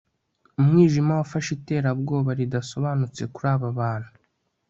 umwijima wafashe iterabwoba ridasobanutse kuri aba bantu